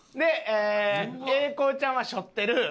英孝ちゃんは背負ってる。